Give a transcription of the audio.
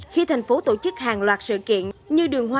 khi thành phố tổ chức hàng loạt sự kiện như đường hoa